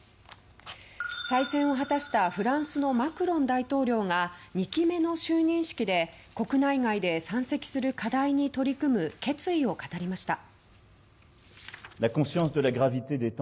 再選を果たしたフランスのマクロン大統領が２期目の就任式で国内外で山積する課題に取り組む決意を語りました。